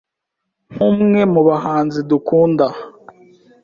nk’umwe mu bahanzi dukunda